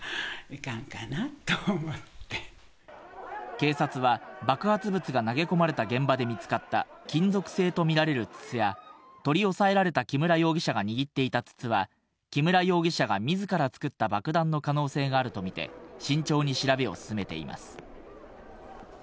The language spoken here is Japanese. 警察は爆発物が投げ込まれた現場で見つかった金属製とみられる筒や、取り押さえられた木村容疑者が握っていた筒は木村容疑者が自ら作った爆弾の可能性があるとみて慎重に調べを進めています。